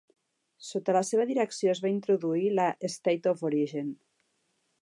Sota la seva direcció es va introduir la State of Origin.